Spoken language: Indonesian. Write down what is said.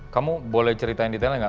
kamu boleh ceritain detailnya nggak